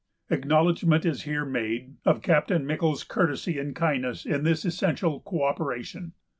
Acknowledgment is here made of Captain Michel's courtesy and kindness in this essential co operation.